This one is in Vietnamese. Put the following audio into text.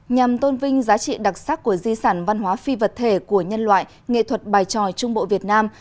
nhằm tôn vinh giá trị đặc sắc của di sản văn hóa phi vật thể của nhân loại nghệ thuật bài tròi trung bộ việt nam